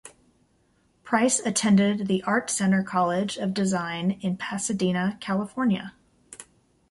Price attended the Art Center College of Design in Pasadena, California.